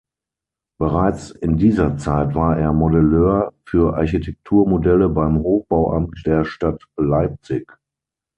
Bereits in dieser Zeit war er Modelleur für Architekturmodelle beim Hochbauamt der Stadt Leipzig.